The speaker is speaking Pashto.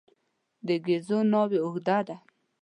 د ګېزو ناوې اوږده ده.